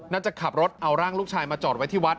จะขับรถเอาร่างลูกชายมาจอดไว้ที่วัด